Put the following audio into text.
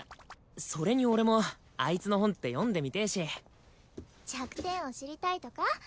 それに俺もあいつの本って読んでみてえし弱点を知りたいとか？